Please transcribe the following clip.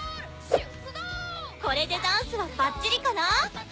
これでダンスはバッチリかな？